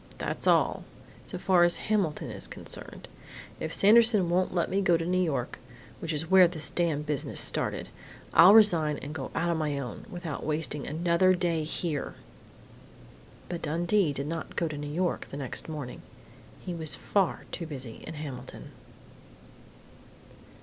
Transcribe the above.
That's all so far as Hamilton is concerned! If Sanderson won't let me go to New York which is where this damned business started I'll resign and go on my own, without wasting another day here!" But Dundee did not go to New York the next morning. He was far too busy in Hamilton....